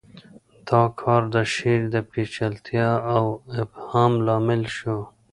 دا کار د شعر د پیچلتیا او ابهام لامل شو